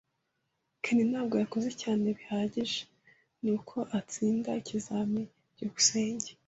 Ken ntabwo yakoze cyane bihagije, nuko atsinda ikizamini. byukusenge